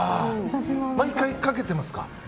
毎回かけてますか？